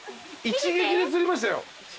一撃で釣りましたよ。